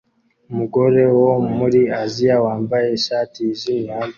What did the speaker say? Umugore wo muri Aziya wambaye ishati yijimye hamwe